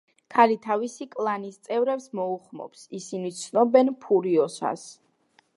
ქალი თავისი კლანის წევრებს მოუხმობს, ისინი ცნობენ ფურიოსას.